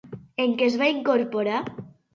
En què es va incorporar?